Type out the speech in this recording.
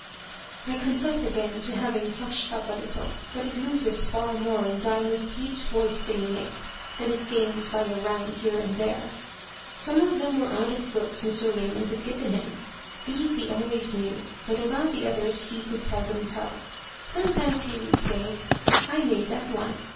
I confess again to having touched up a little, but it loses far more in Diamond's sweet voice singing it than it gains by a rhyme here and there. Some of them were out of books Mr. Raymond had given him. These he always knew, but about the others he could seldom tell. Sometimes he would say, "I made that one."